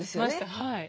はい。